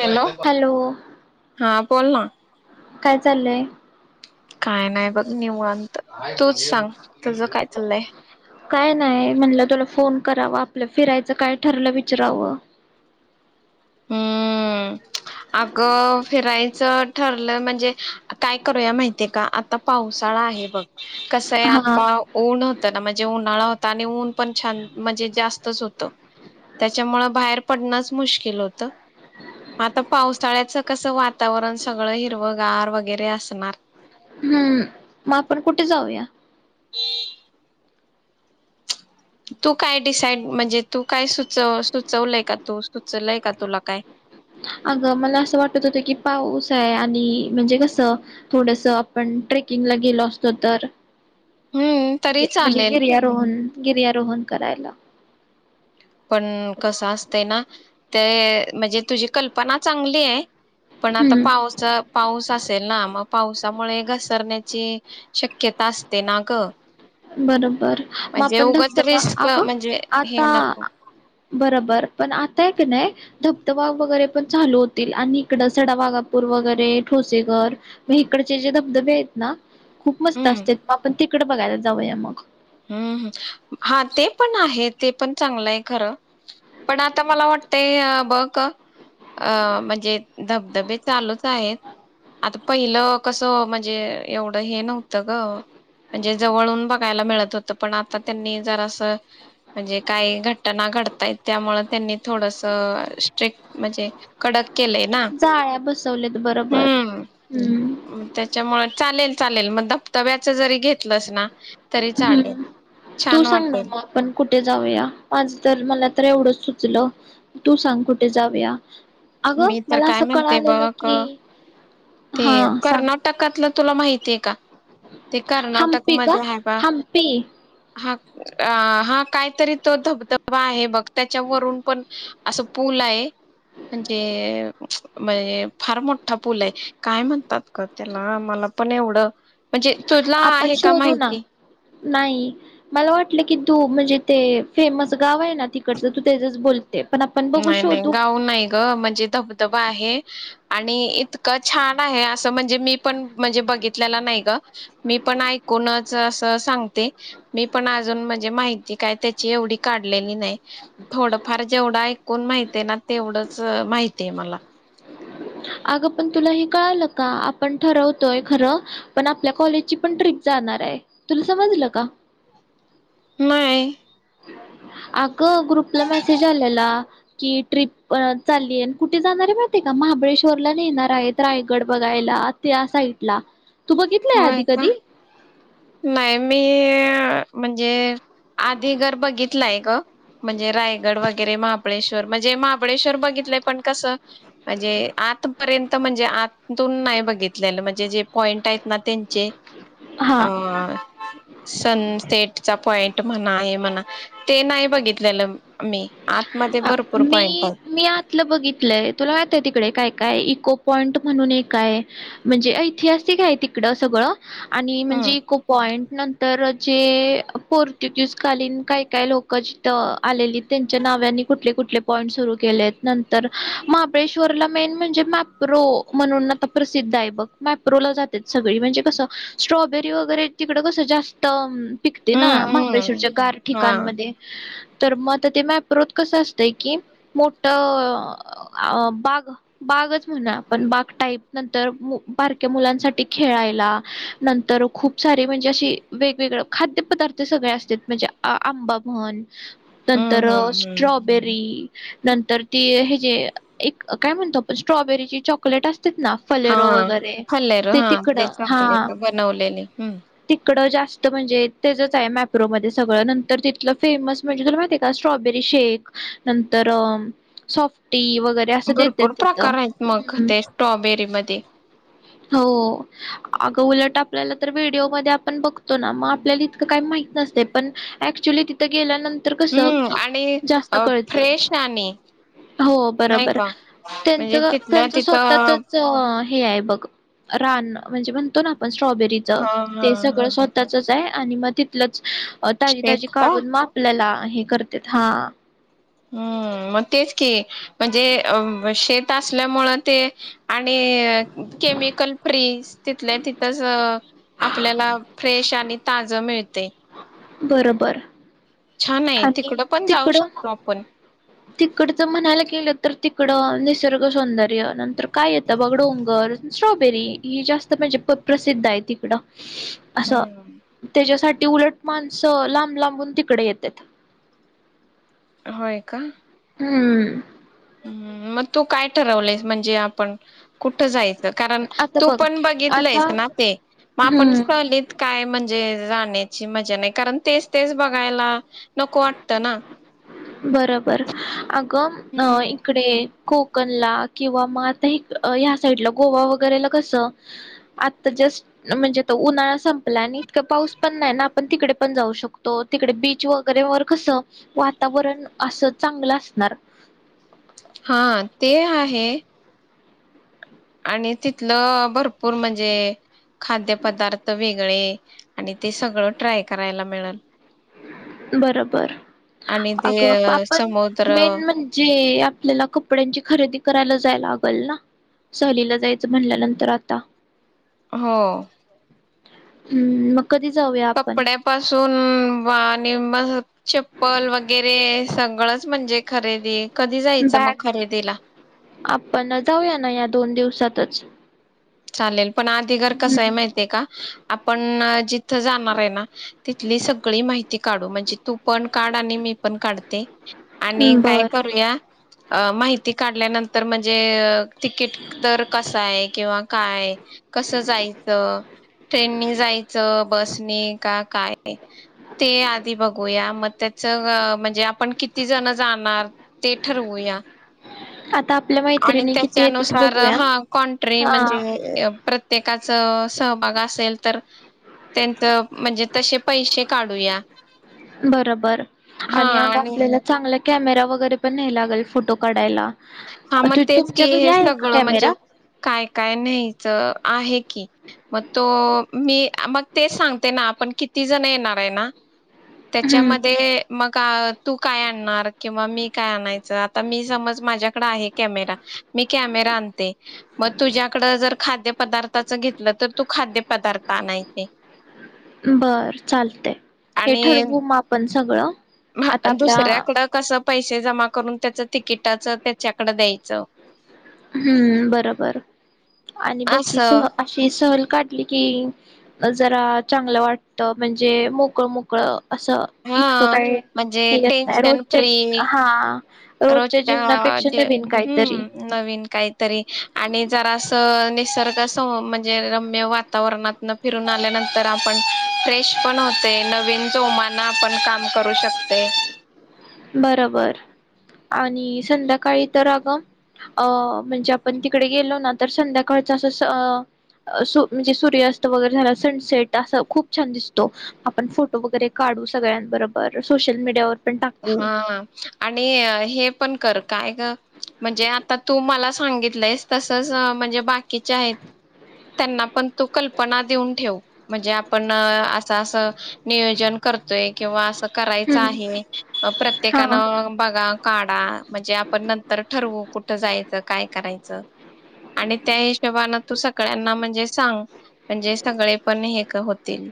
Hello, हा बोलणा काय चाललंय काय नाही बघ निवांत तूच सांग तझ काय चाललंय. काय नाही म्हणलं तुला फोन करावा आपलं फिरायचं काय ठरलं विचारावं हम्म अगं फिरायचं ठरलं म्हणजे काय करूया माहितीये का, आता पावसाळा आहे बघ कसंय हा आता ऊन होतं ना म्हणज म्हणे उन्हाळा होता आणि ऊन पण छान म्हणजे जास्तच होत, त्याच्यामुळे बाहेर पडणंच मुश्किल होत. आता पावसाळ्याच कस वातावरण सगळं हिरवंगार वगैरे असणार, हम्म मग आपण कुठे जाऊया. एक तू काय डिसाईड म्हणजे तू काय सुचव सुचवलंय का तू सुचलय का तुला काय अगं मला असं वाटत होतं की पाऊस आहे आणि म्हणजे कसं थोडस आपण ट्रेकिंगला गेलो असतो तर, हम्म तरी म्हणजे चालेल गिर्यारोहन गिर्यारोहण करायला. पण कस असतं ना ते म्हणजे तुझी कल्पना चांगली आहे. पण आता हम्म पाऊस पाऊस असेल ना मग पावसामुळे घसरण्याची शक्यता असते ना ग, बरोबर मग म्हणजे आपण धबधबा अगं आता हो बरोबर पण आताय की नाही ध वाघ वगैरे पण चालू होतील आणि इकड सडा वागापूर वगैरे ठोसेघर म इकडचे जे धबधबे आहेत ना खूप मस्त हम्म असते आपण ते इकडे बघा जाऊया मग, हम् हा ते पण आहे ते पण चांगलं आहे खरं पण आता मला वाटतंय बघ ग अ म्हणजे धबधबे चालूच आहेत. आता पहिलं कसं म्हणजे एवढं हे नव्हतं ग म्हणजे जवळून बघायला मिळत. हो पण आता त्यांनी जर असं म्हणजे काही घटना घडताय त्यामुळे त्यांनी थोडस स्ट्रिक म्हणजे कडक केलंय ना जाळ्या बसवल्यात बरोबर हम्म हम्म त्याच्यामुळे चालेल चालेल मग धबधब्याच जरी घेतलं ना तरी चालेल हम्म तू छान सांग ना वाटेल मग आपण कुठ कुठे जाऊया माझ तर मला तर एवढंच सुचलं तू सांग कुठे जाऊया अगं मी तर मला काय असं म्हणते कळालेलं बघ की ते हा सांग कर्नाटकातलं तुला माहितीये का? ते कर्नाटक हम्पी मध्ये आहे का हम्पी हा अ हा काहीतरी तो धबधबा आहे बघ त्याच्यावरून पण असं पूल आहे म्हणजे म्ह फार मोठा पूल आहे काय म्हणतात का त्याला मला पण एवढं म्हणजे तुला आपण आहे का शोधू ना माहिती नाही मला वाटलं की तू म्हणजे ते फेमस गाव आहे ना तिकडचं तू तेजच बोल नाही, नाही गाव नाही गं म्हणजे धबधबा आहे आणि इतकं छान आहे असं म्हणजे मी पण म्हणजे बघितलेलं नाही गं मी पण ऐकूनच असं सांगते मी पण अजून म्हणजे माहिती काय त्याची एंवढी काढलेली नाही थोडंफार जेवढं कोण माहिती आहे ना तेवढंच माहतीय मला अगं पण तुला हे कळालं का आपण ठरवतोय खरं पण आपल्या कॉलेजची पण ट्रीप जाणार आहे तुला समजलं का नाय अगं ग्रुपला मेसेज आलेला कि ट्रिप चाली आहे कुठे जाणार आहे माहिती आहे का महाबळेश्वरला नेणार आहेत रायगड बघायला त्या साईडला होय का नाही मी म्हणजे आधीगर बघितलाय गं म्हणजे रायगड वगैरे महाबळेश्वर म्हणजे महाबळेश्वर बघितलंय पण कसं म्हणजे आतं पर्यंत म्हणजे आतून नाही बघितलेलं म्हणजे जे पॉईंट ना त्यांचे अ हा सनसेटचा पॉइंट म्हणां हे म्हणां ते नाही बघितलेलं मी आतमध्ये अ भरपूर मी पॉइंट आहेत मी आतलं बघितलंय तुला माहिती आहे तिकडे काय काय इको पॉइंट म्हणून एक आहे म्हणजे ऐतिहासिक आहे तिकडं सगळं आणि म्हणजे हम्म इको पॉइंट नंतर जे पोर्तुगीज कालीन काही काय लोक जिथं आलेली त्यांच्या नावनी कुठले कुठले पॉईंट सुरू केले आहेत नंतर महाबळेश्वरला मेन म्हणजे मॅप्रो म्हणून आता प्रसिद्ध आहे बघ मॅप्रोला जातात सगळी म्हणजे कसं स्ट्रॉबेरी वगैरे तिकडं कसं जास्त पिकते ना हम्म महाबळेश्वरच्या गार हम्म हा ठिकाणमध्ये तर मग तर ते माॅप्रोत कसं असतंय की मोठ बाग बागच म्हणां आपण बाग टाईप नंतर बारक्या मुलांसाठी खेळायला नंतर खूप सारे म्हणजे अशी वेगवेगळे खाद्य पदार्थ सगळे असतात म्हणजे आंबा म्हणं तर नंतर हम्म हम्म हम्म स्ट्रॉबेरी नंतर ती हे य काय म्हणतो आपण स्ट्रॉबेरी ची चॉकलेटं अस हा फलेरो हा ते तिकडं चॉकलेट बनवलेली हम इकडं जास्त म्हणजे तेझचं आहे मॅप्रो मध्ये सगळं नंतर तिथलं फेमस म्हणजे तुला माहिती आहे का., स्ट्रॉबेरी शेक नंतर सॉफ्टी व भरपूर प्रकार आहेत मग ते स्ट्रॉबेरी मध्ये हो अगं उलट आपल्याला तर व्हिडिओमध्ये आपण बघतो ना मग आपल्याला इतकं काही माहीत नसतयं पण ऍक्च्युली तिथं गेल्यानंतर तर कसं हम्म कि आणि जास्त अ कळतं फ्रेश आणि हो नाही बरोबरं का त्यांच म्हणजे तिथल्या त्यांच स्वतःच तिथं हे आहे बघ रान म्हणजे म्हणतो ना स्ट्रॉबेरीच हा हा ते हा सगळं स्वतःच पण आणि मग तिथलचं अ ताजी ताजी शेत का काढून म आपल्याला आहे कर तर ह‌ा हम्म मग तेच की म्हणजे शेत असल्यामुळे ते आणि केमिकल फ्री तिथल्या तिथंच आपल्याला फ्रेश आणि ताज मिळतय. बरोबर. आहे आणि तिकडं पण जाऊ तिकडं शकतो आपण तिकडच म्हणायला गेलंत तर तिकडं निसर्ग सौंदर्य नंतर काय येतं बघ डोंगर, स्ट्रॉबेरी ही जास्त म्हणजे प्रसिद्ध आहे तिकडं. अस हम्म त्याच्यासाठी ती उलट माणसं लांब-लांबून तिकडे येत त्यात. होय का? हम्म. ह मग तू काय ठरवलंयस म्हणजे आपण कुठ जायच? कारण आता तू बघ पण बघितलंयस आता ना ते मग आपण हम्म सहलीत काय म्हणजे जाणे मज्जा नाही कारण तेच तेच बघायला नको वाटत ना. बरोबर अगं हम्म इकडे कोकण ला किंवा मग आता ह्या साईडला गोवा वगैरेला कस आता जस्ट म्हणजे त उन्हाळा सं पला आणि इतकं पाऊस पण नाही ना? पण तिकडे पण जाऊ शकतो तिकडे बीच वगैरे वर कस वातावरण असं चांगलं असणार. हा ते आहे, आणि तिथलं भरपूर म्हणजे खाद्य पदार्थ वेग गळे आणि ते सगळ ट्राय करायला मिळेल. बरोबर. आणि ते अगं अ, आपण समुद्र मेन म्हणजे आपल्याला कपड्यांची खरेदी करायला जायला लागल ना सहलीला जायचं म्हणल्यानंतर आता. हो हम् मग कधी जाऊया आपण? हम् बा निम चप्पल वगैरे सग गळच म्हणजे खरेदी कधी जायचं मग बॅग खरेदीला आपण जाऊया ना या दोन दिवसातच. चालेल पण आधी घर कस आहे हम्म माहीतीये का आपण जि त जाणार आहे ना तिथली सगळी माहिती काढू म्हणजे तू पण काढ आणि मी पण काढते. आणि काय बर करूया अ माहिती काढल्यानंतर म्हणजे तिकीट दर कसा आहे किंवा काय कस जायचं ट्रेननी जायचं बसनी का काय ते आधी बघूया मग त्याच म्हणजे आपण किती जण जाणार ते ठरवूया. आता आपल्या आणि मैत्रिणी किती येतेत त्याच्यानुसार बघूया हा कन्ट्री हा म्हणजे प्रत्येक सहभाग असेल तर त्यांच म्हणजे तसे पैसे काढूया. बरोबर आणि अग आपल्याला चांगलं कॅमेरा वगैरे पण नाही लागेल फोटो काढायला. हा मग तू तेच की तुमच्या घरी हे आहे का सगळं म्हणजे कॅमेरा काय काय न्यायचं आहे की मग तो मी मग ते सांगते ना आपण किती जण येणार आहे ना हम्म त्याच्यामध्ये मग का तू काय आणणार किंवा मी काय आणायचं आता मी समज माझ्या कमे मी कॅमेरा आणते मग तुझ्याकड जर खाद्य पदार्थच घेतलं तर तू खाद्य पदार्थ आणायचे. बर चालत हे आणि ठरवू मग आपण सगळं, आता आपल्या दुसऱ्याकडं कसं पैसे जमा करून त्याच तिकिटाच त्याच्याकडं द्यायचं, हम्म बरोबर आणि बघकी असं. सह अशी सहल काढली की जरा चांगलं वाटत म्हणजे मोकळं मोकळ असं इतकं हां, काही म्हणजे हे येत नाही रोजचे हा रोजच्या जीवनापेक्षा रोजच्याजे नवीन काहीतरी हम्म नवीन काहीतरी आणि जरास निसर्ग म्हणजे रम्य वातावरणातन फिरून आल्यानंतर आपण फ्रेश पण होतोय नवीन जोमान आपण काम करू शकतोय. बरोबर आणि संध्याकाळी तर अगं अ म्हणजे आपण तिकडे गेलो ना तर संध्याकाळच अस म्हणजे सूर्यास्त वगैरे झाला सनसेट अस खूप छान दिसतो, आपण फोटो वगैरे काढू सगळ्यांबरोबर सोशल मीडियावर पण टाक- हा आणि हे पण कर, काय ग? म्हणजे आता तू मला सांगितलंयस तसच म्हणजे बाकीचे आहेत त्यांना पण तू कल्पना देऊन ठेव म्हणजे आपण असं अस नियोजन करतोय किंवा अस करायचं हम्म आहे - हा प्रत्येकानं बघा काढा म्हणजे, आपण नंतर ठरवू कुठ जायच? काय करायचं? आणि त्या हिशोबाने तू सगळ्यांना म्हणजे सांग म्हणजे सगळे पण एक होतील.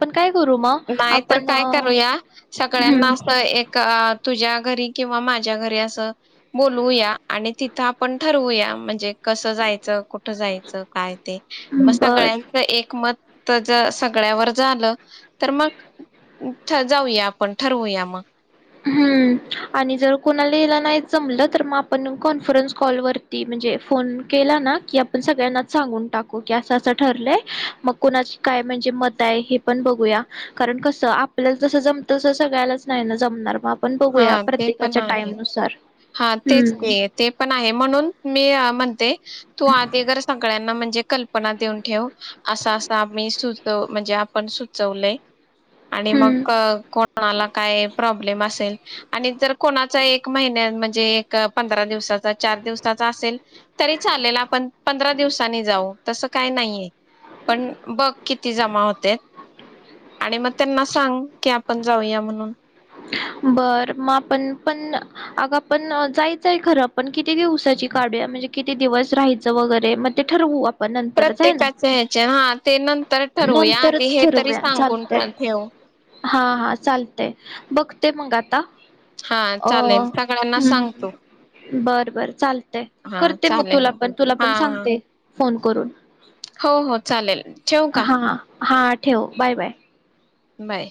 पण काय- करू मग नाही तर, आपण काय हम्म करूया? सगळ्यांना अस एक का तुझ्या घरी किंवा माझ्या घरी असं बोलवूया आणि तिथं आपण ठरवूया म्हणजे कसं जायचं कुठ जायचं काय ते मग बर सगळ्यांचं एकमत- तर ज सगळ्यावर झालं. तर मग, जाऊया आपण ठरवूया म हम् आणि जर कोणाला यायला नाहीचं जमलं तर मग आपण कॉन्फरन्स कॉल वरती म्हणजे फोन केला ना की आपण सगळ्यांनाच सांगून टाकू की असं- असं ठरलंय मग कुणाची काय म्हणजे मत आहे हे पण बघूया कारण कसं आपल्याला जसं जमतं तस सगळ्यालाच नाही ना जमणार [unintelligible] हा ते पण प्रत्येकाच्या आहे, टाइम नुसार हा तेच हम्म ते ते पण आहे म्हणून मी म्हणते तू आधी जर सगळ्यांना म्हणजे कल्पना देऊन ठेव असं -असं आम्ही सुचव म्हणजे आपण सुचवलंय- आणि हम्म मग कोणाला काय प्रॉब् ब्लेम असेल आणि जर कोणाचा एक महिन्या म्हणजे एक पंधरा दिवसाचा, चार दिवसाचा असेल तरी चालेल आपण पंधरा दिवसांनी जाऊ तसं काही नाहीये. पण बघ किती जमा होतात आणि मग त्यांना सांग कि आपण जाऊया म्हणून. बर -मग आपण पण -अग पण जायचंय खरं आपण कि ती दिवसाची काढूया, म्हणजे किती दिवस राहायचं वगैरे म ते ठरवू आप प्रत्येकाचे ह्याचे हा ते नंतर ठरवूया आधी नंतरच हे तरी ठरवूया सांगून चालतंय. टाकू. बघ ते मग आता- अ चालेल सगळ्यांना सांगतो हम् -बर-बर चालतय हा करते मग चालेल तुला पण, तुला पण हा हा सांगते. फोन करून हो हो चालेल ठेवू का? हा हा ठेव बाय-बाय. बाय.